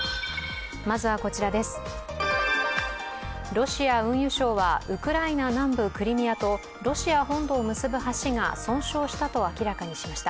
ロシア運輸省はウクライナ南部クリミアとロシア本土を結ぶ橋が損傷したと明らかにしました。